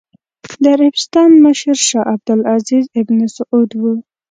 د عربستان مشر شاه عبد العزېز ابن سعود و.